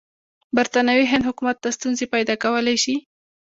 برټانوي هند حکومت ته ستونزې پیدا کولای شي.